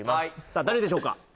さあ誰でしょうか？